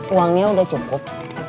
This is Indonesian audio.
uangnya udah cukup